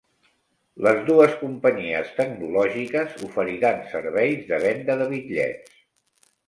Les dues companyies tecnològiques oferiran serveis de venda de bitllets